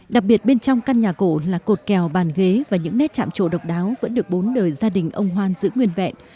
đặc biệt bên trong căn nhà cổ là cột kèo bàn ghế và những nét trạm trộn độc đáo vẫn được bốn đời gia đình ông hoan giữ nguyên vẹn